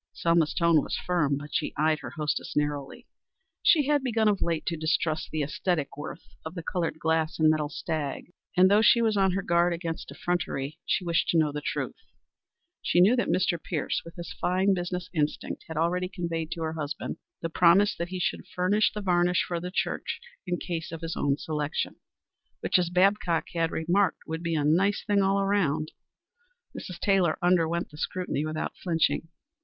Selma's tone was firm, but she eyed her hostess narrowly. She had begun of late to distrust the æsthetic worth of the colored glass and metal stag, and, though she was on her guard against effrontery, she wished to know the truth. She knew that Mr. Pierce, with fine business instinct, had already conveyed to her husband the promise that he should furnish the varnish for the new church in case of his own selection, which, as Babcock had remarked, would be a nice thing all round. Mrs. Taylor underwent the scrutiny without flinching.